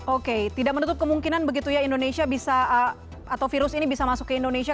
oke tidak menutup kemungkinan begitu ya indonesia bisa atau virus ini bisa masuk ke indonesia